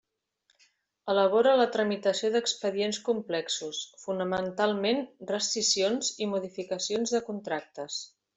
Elabora la tramitació d'expedients complexos, fonamentalment rescissions i modificacions de contractes.